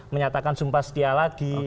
menyatakan sumpah setia lagi